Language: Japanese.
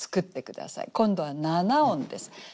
今度は七音です。